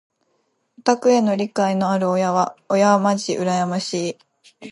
オタクへの理解のある親まじ羨ましい。